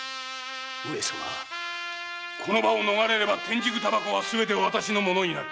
この場を逃れれば天竺煙草はすべて私の物になる。